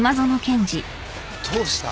どうした？